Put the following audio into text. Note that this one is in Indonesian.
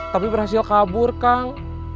tapi berhasil kabur kang